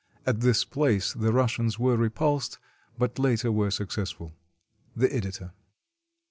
At this place the Russians were repulsed, but later were successful. The Editor.